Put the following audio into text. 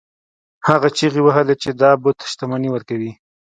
هغه چیغې وهلې چې دا بت شتمني ورکوي.